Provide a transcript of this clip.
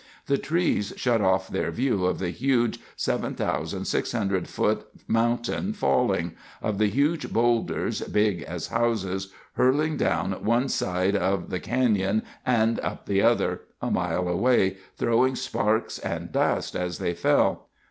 The trees shut off their view of the huge, 7,600 ft. mountain falling, of the huge boulders, big as houses, hurtling down one side of the canyon and up the other side, a mile away, throwing sparks and dust as they fell.